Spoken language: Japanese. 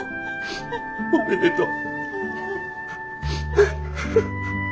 おめでとう。